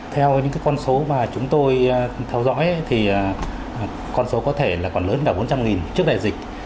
theo những con số mà chúng tôi theo dõi thì con số có thể là còn lớn cả bốn trăm linh trước đại dịch